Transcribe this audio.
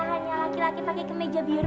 hanya laki laki pakai kemeja biru